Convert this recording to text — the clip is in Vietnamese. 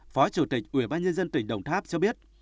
phó chủ tịch ubnd tỉnh đồng tháp cho biết